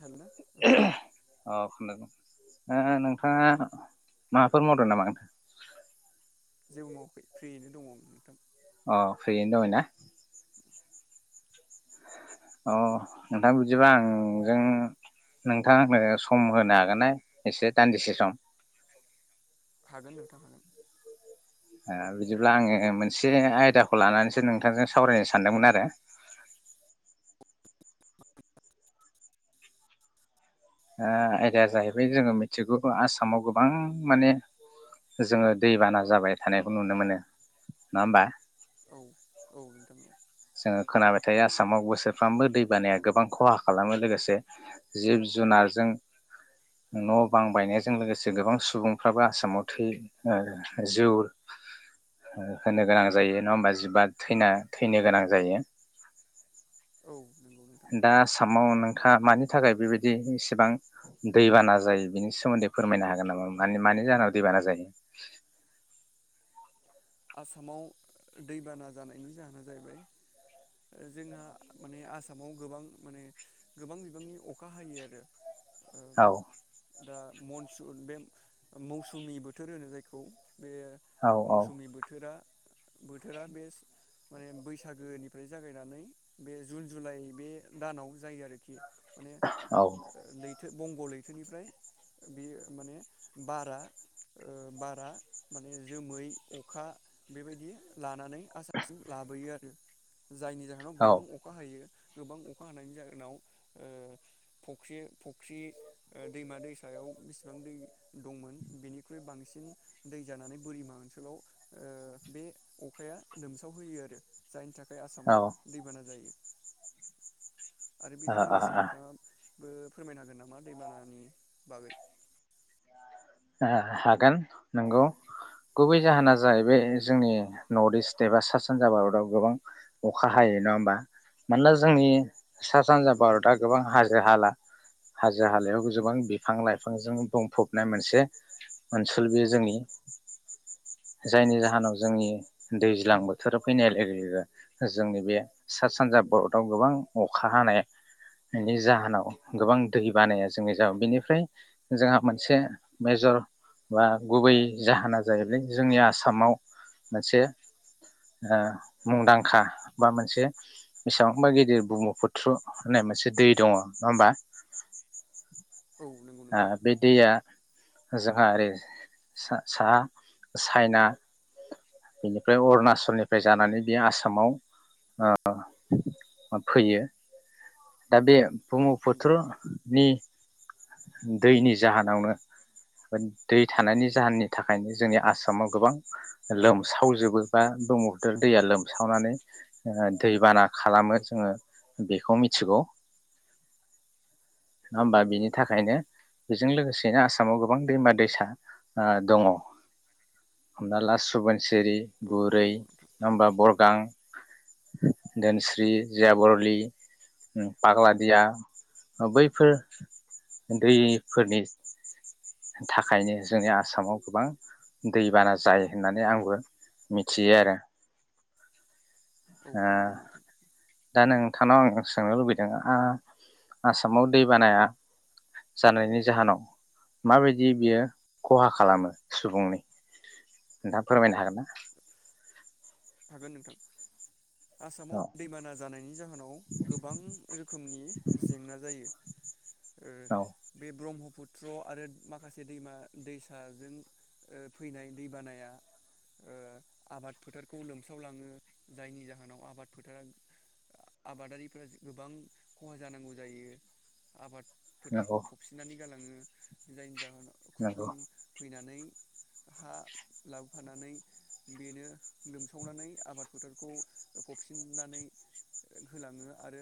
Helena मद अ खोनादों ओ नोंथाङा माफोर मावदं नामा जेबो मावाखै फ्रियैनो दङ नोंथां अ फ्रियैनो दंना अ नोंथां बिदिबा आं जों नोंथाङा आंनो सम होनो हागोन ना एसे दान्दिसे सम हागोन नोंथां हागोन बिदिब्ला आङो मोनसे आयदाखौ लानानैसो नोंथांजों सावरायनो सानदोंमोन आरो आयदाया जाहैबाय जोङो मिथिगौ आसामाव गोबां माने जोङो दैबाना जाबाय थानायखौ नुनो मोनो नङा होमबा औ औ नोंथांन जोङो खोनाबाय थायो आसामाव बोसोरफ्रामबो दै बानाया गोबां खहा खालामो लोगोसे जिब- जुनारजों न' बां बायनायजों लोगोसे गोबां सुबुंफ्राबो आसामाव थै ओ जौ ओ होनो गोनां जायो नङा होमबा जिबा थैना थैनो गोनां जायो औ नोंथां दा आसामाव नोंथाङ मानि थाखाय बेबायदि इसेबां दैबाना जायो बिनि सोमोन्दै फोरमायनो हागोन नामा माने मानि जाहोनाव दैबाना जायो आसामाव दैबाना जानायनि जाहोना जाहैबाय जोंहा माने आसाम आसामाव गोबां माने गोबां बिबांनि अखा हायो आरो ओ औ दा मनसुन बे मौसुमि बोथोर होनो जायखौ बे औ औ मौसुमि बोथोरा बोथोरा बे माने बैसागोनिफ्राय जागायनानै बे जुन जुलाइ बे दानाव जायो आरोखि। माने औ ओ लै बंग' लैथोनिफ्राय बेयो माने बारा ओ बारा माने जोमै अखा बेबायदि लानानै आसामसिम लाबोयो आरो जायनि जाहोनाव गोबां अखा हायो। गोबां अखा हानायनि जाहोनाव ओ फख्रि फख्रि ओ दैमा दैसायाव बिसिबां दै दंमोन बेनिख्रुइ बांसिन दै जानानै बोरिमा ओनसोलाव ओ बे अखाया लोमसाव होयो आरो जायनि थाखाय औ आसामाव दैबाना जायो। आरो आ बेजों आ लोगोसे आ नोंथाङा बो फोरमायनो हागोन नामा दैबानानि बागै। ओ हागोन नंगौ गुबै जाहोना जाहैबाय जोंनि नर्थ इस्ट एबा सा सानजा भारताव गोबां अखा हायो नङा होमबा मानोना जोंनि सा औ सानजा नंगौ भारतआ नोंथां गोबां हाजो हाला हाजो हालायाव गोबां बिफां लाइफांजों बुंफबनाय मोनसे ओनसोल बेयो जोंनि जायनि जाहोनाव जोंनि दैज्लां बोथोराव फैनाय लोगो लोगो जोंनि बे सा सानजा भारतआव गोबां अखा हानायनि जाहोनाव गोबां दै बानाया जोंनि बेनिफ्राय जोंहा मोनसे मेजर बा गुबै जाहोना जाहैबाय जोंनि आसामाव मोनसे मुंदांखा बा मोनसे बेसेबांबा गिदिर ब्रम्हफुथ्रु होननाय मोनसे दै दङ नङा होमबा। औ नंगौ ओ नोंथां बे दैया जोंहा ओरै सा-साहा चाइना बेनिफ्राय अरुणाचलनिफ्राय जानानै बे आसामाव फैयो। दा बे औ नंगौ ब्रम्हफुथ्र नोंथां नि दैनि जाहोनावनो दै थानायनि जाहोननि थाखायनो जोंनि आसामाव गोबां लोमसावजोबो बा ब्रह्मपुत्र दैया लोमसावनानै ओ दै बाना खालामो जोङो बेखौ मिथिगौ। नङा औ होमबा नंगौ बेनि नोंथां थाखायनो बेजों लोगोसेनो आसामाव गोबां दैमा दैसा ओ दङ। हमना ला सुबाय सिरि औ बुरै नंगौ नोंथां नङा होमबा बरगां धोनस्रि जियाबरलि पाग्लादिया बैफोर दैफोरनि थाखायनो जोंनि आसामाव गोबां दैबाना जायो होननानै आंबो मिथियो आरो। औ नंगौ नोंथां थांनाव आं सोंनो लुबैदों आसामाव दै बानाया जानायनि जाहोनाव माबायदि बियो खहा खालामो सुबुंनि नोंथाङा फोरमायनो हागोन ना? हागोन नोंथां। आसामाव औ दैबाना जानायनि जाहोनाव गोबां रोखोमनि जेंना जायो। ओ बे ब्रह्मपुत त्र आरो माखासे दैमा दैसाजों ओ फैनाय दैबानाया ओ आबाद फोथार खौ लोमस्रावलाङो जायनि जाहोनाव आबाद फोथारा आबादारिफ्रा गोबां खहा जानांगौ जायो। आबाद फोथारखौ नंगौ फबसिननानै गालाङो। जायनि जाहोनाव नंगौ खुख्लुं फैनानै। हा लाबोफानानै बेनो लोमसावनानै आबाद फोथारखौ फबफिननानै होलाङो आरो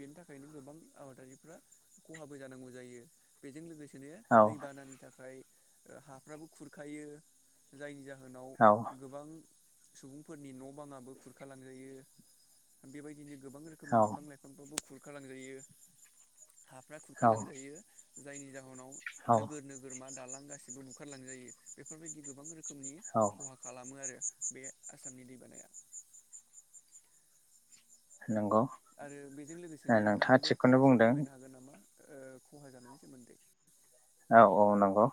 बेनि थाखायनो गोबां आबादारिफ्रा खहाबो जानांगौ जायो बेजों लोगोसे बिदिनो औ दैबानानि थाखाय ओ हाफ्राबो खुरखायो जायनि जाहोन जाहोनाव गोबां सुबुंफोरनि न' बाङाबो खुरखा लांजायो बेबायदिनो गोबां औ रोखोमनि बिफां लाइफांफोरखौबो खु खालामजायो। हाफ्रा खुरखा औ लांजायो। जायनि जाहोनाव नोगोर नोगोर मा दालां गासिबो बुखारलांजायो बेफोरबायदि गोबां रो रोखोमनि औ खहा खालामो आरो। बे आसामनि दैबानाया। नंगौ आरो बेजों लोगोसेनो नोंथाङा नोंथाङाबो थिगखौनो फंनैसो बुंदों फोरमायनो हागोन नामा? ओ खहा जानायनि सोमोन्दै। औ औ नंगौ।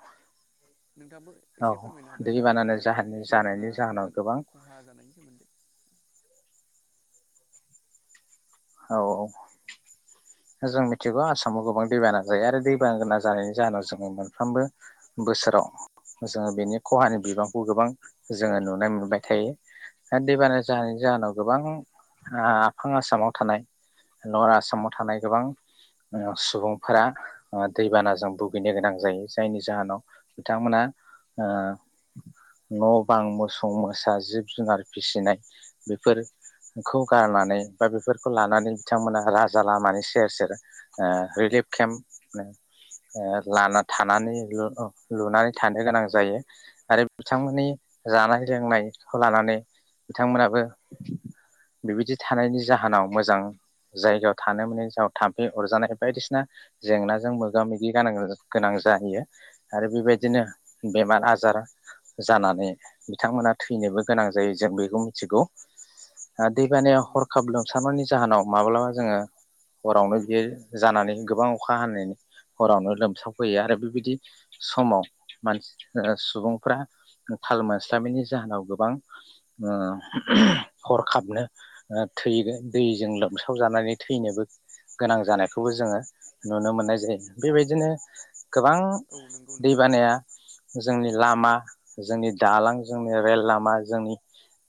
नोंथाङाबो औ एसे फोरमायनो हागोन दा दैबानानो ओ जाहोननि दैबाना जानायनि जाहोनाव जा गोबां खहा जानायनि। सोमोन्दै। औ औ जों मिथिगौ आसामाव गोबां दैबाना जायो आरो दैबाना जानायनि जाहोनाव जोङो मोनफ्रोमबो बोसोराव जोङो बेनि खहानि बिबांखौ गोबां जोङो नुनो मोनबाय थायो आरो दैबाना जानायनि जाहोनाव गोबां आफां आसामाव थानाय लवार आसामाव थानाय गोबां सुबुंफोरा ओ दैबानाजों भुगैनो गोनां जायो जायनि जाहोनाव बिथांमोना ओ न' बां मोसौ मोसा जिब जुनार फिसिनाय बेफोरखौ गारनानै बा बे फोरखौ लानानै बिथांमोना राजा लामानि सेर सेर ओ रिलिफ केम्प ओ लाना थानानै लुनानै थानो गोनां जायो आरो बिथांमोननि जानाय लोंनायखौ लानानै बिथांमोनाबो बिबायदि थानायनि जाहोनाव मोजां जायगायाव थानो मोननि जाहोनाव थाम्फै अरजानाय बायदिसिना जेंनाजों मोगा मोगि गानो गोनां जायो आरो बेबायदिनो बेमार आजार जानानै बिथांमोना थैनोबो गोनां जायो जों बेखौ मिथिगौ। ओ औ दैबानाया हर नंगौ खाब नोंथां लोमसावनायनि जाहोनाव माब्लाबा जोङो हरावनो बियो जानानै गोबां अखा हानायनि हरावनो लोमसावफैयो आरो बेबायदि समाव मानसि ओ सुबुंफ्रा थाल मोनस्लाबैनि जाहोनाव गोबां ओ‌ हरखाबनो ओ थै दैजों लोमसावजानानै थैनोबो गोनां जानायखौबो जोङो नुनो मोननाय जायो बेबायदिनो गोबां औ नंगौ दै नोंथां बानाया जोंनि लामा जोंनि दालां जोंनि रेल लामा जोंनि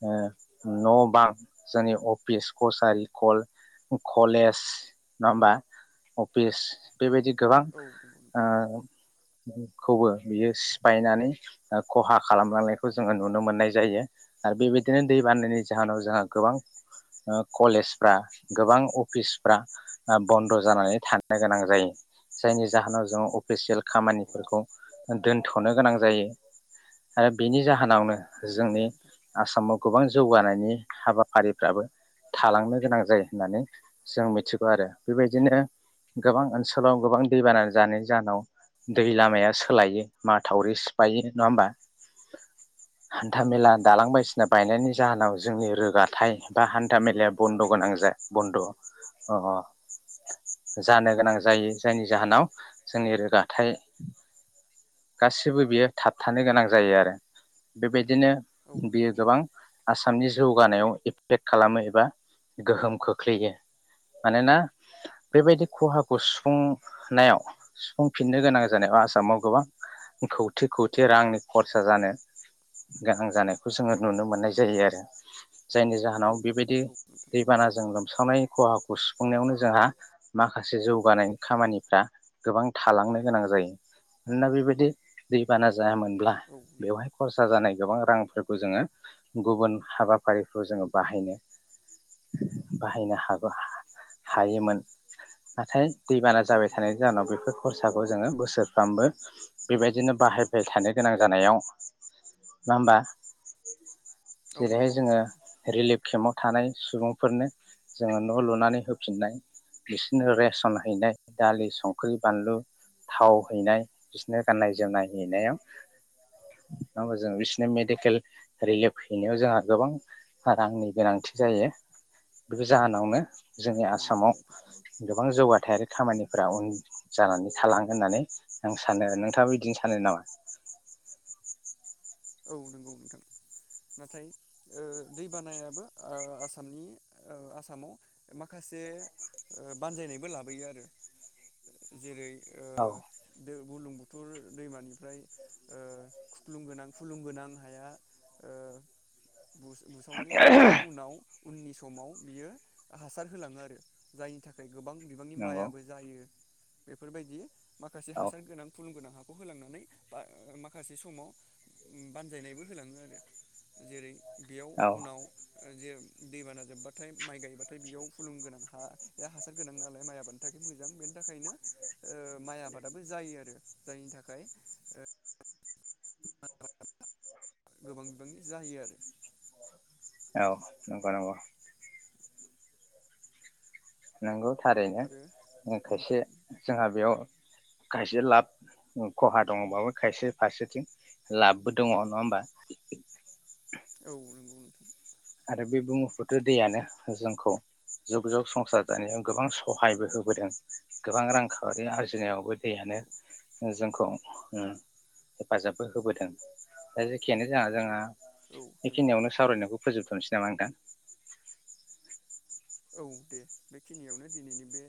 ओ न' बां जोंनि अ फिस कसारि कल कलेज नङा होमबा अफिस बेबायदि गोबां औ नंगौ नोंथां ओ खौबो बियो सिफायनानै खहा खालामलांनायखौ जोङो नुनो मोननाय जायो आरो बेबायदिनो दै बाननायनि जाहोनाव जोंहा गोबां ओ कलेजफ्रा ओ गोबां अफिसफ्रा बन्द' जानानै थानो गोनां जायो जायनि जाहोनाव जों अफिसियेल औ खामानिफोरखौ दोनथ'नो गोनां जायो आरो बिनि जा होनावनो औ नंगौ जोंनि नोंथां आसामाव गोबां जौगानायनि हाबाफारि। फ्राबो थालांनो गोनां जायो होननानै जों मिथिगौ आरो बेबायदिनो गोबां ओनसोलाव गोबां दैबाना जानाय जाहोनाव दै लामाया सोलायो माथावरि सिफायो नङा होमबा। औ हान्था मेला नंगौ नोंथां दालां बायसिना बायनायनि। जाहोनाव जोंनि रोगाथाइ। बा हान्था मेलाया बन्द' गोनां जा बन्द' अ जानो गोनां जायो जायनि जाहोनाव जोंनि रोगाथाइ गासिबो बियो थाबथानो गोनां जायो आरो बेबायदि दिनो औ बियो नंगौ गोबां नोंथां आसामनि जौगानायाव एब फेक खालामो एबा गोहोम खोख्लैयो मानोना औ बेबायदि खहाखौ सुफुं सुनायाव सुफुंफिननो गोनां जानायाव आसामाव गोबां खौथि खौथि रांनि खरसा जानो गोनां जानायखौ जोङो नुनो मोननाय जायो आरो। जायनि जाहोनाव औ बेबायदि नंगौ नोंथां दैबानाजों लोमसावनाय खहाखौ सुफुंनायावनो जोंहा माखासे जौगानायनि खामानिफ्रा गोबां थालांनो गोनां जायो। मानोना बेबायदि दैबाना जायामोन ब्ला औ नंगौ बेवहाय खरस सा जानाय गोबां रांफोरखौ जोङो गुबुन हाबाफारिफ्राव जोङो बाहायनो बाहायनो हागो हा औ हायोमोन। नाथाय दैबाना औ जाबाय नंगौ थानायनि नोंथां जाहोनाव बेफोर खरसाखौ जोङो बोसोरफ्रामबो बेबायदिनो बाहायबाय थानो गोनां जानायाव नङा होमबा? औ जेरैहाय नोंगौ जोङो नोंथां। रिलिफ केम्पाव थानाय सुबुंफोरनो जोङो न' लुनानै होफिननाय बिसोरनो रेसन हैनाय दालि, संख्रि, बानलु, थाव हैनाय बिसोरनो गाननाय जोमनाय हैनायाव नङा होमबा जों बिसोरनो मेडिकेल रिलिफ हैनायाव जोंहा गोबां बा रांनि गोनांथि जायो बे जाहोनावनो जोंनि औ नंगौ आसामाव नोंथां गोबां जौगाथायारि खामानिफोरा उन जानानै थालाङो होननानै आं सानो आरो नोंथाङाबो बिदिनो सानो नामा? औ नंगौ नोंथां नाथाय ओ दै बानायाबो ओ आसामनि ओ आसामाव माखासे बानजायनायबो लाबोयो आरो जेरै औ। बुलुं बुथुर दैमानिफ्राय ओ खुख्लुं गोनां फुलुंगोनां हाया ओ बुस-बुसावनानै गालांनायनि उनाव उननि समाव बियो हासार होलाङो आरो जायनि थाखाय गोबां बिबांनि नंगौ माइआबो जायो। बेफोरबायदि माखासे औ हासार गोनां फुलुंगोनां हा। खौ होलांनानै बा माखासे समाव बानजायनायबो होलाङो आरो जेरै बेयाव औ उनाव जे दैबाना जोब्बाथाय माइ गायबाथाय बेयाव फुलुं गोनां हा हासार गोनां नालाय माइ आबादनि थाखाय मोजां बेनि थाखायनो ओह माइ आबादाबो जायो आरो जायनि थाखाय ओह गोबां बिबांनि जाहैयो आरो। औ नंगौ नंगौ। नोंगौ। थारैनो आरो ओ नों खायसे जोंहा बेयाव खायसे लाब खहा दङबाबो खायसे फारसेथिं लाबबो दङ नङा ओमबा औ नंगौ ओ। आरो बे बुमुफुथ्रु दैयानो जोंखौ जुग जुग संसार जानायाव गोबां सहायबो होबोदों गोबां रांखावरि आरजिनायावबो औ दैयानो जोंखौ ओ हेफाजाबबो होबोदों दा जेखियानो जा जोंहा औ नंगौ नोंथां बेखिनियावनो सावरायनायखौ फोजोबथ'नोसै नामा नोंथां? औ दे बेखिनियावनो दिनैनि बे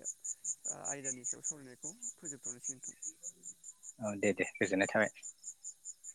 आयदानि सायाव सावरायनायखौ फोजोबथनोसै नोंथां। औ दे दे गोजोननाय थाबाय।